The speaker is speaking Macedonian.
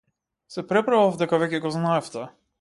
Се преправав дека веќе го знаев тоа.